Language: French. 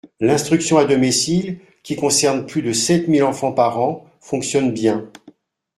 L’instruction à domicile, qui concerne plus de sept mille enfants par an, fonctionne bien.